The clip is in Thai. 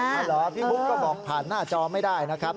เหรอพี่บุ๊คก็บอกผ่านหน้าจอไม่ได้นะครับ